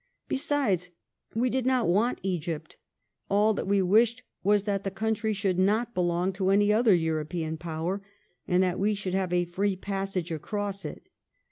Besides, we did not want Egypt ; all that we wished was that the country should not belong to any other European Power, and that we should have a free passage across it.